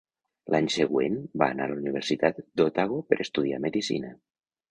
L"any següent, va anar a la Universitat d"Otago per estudiar medicina.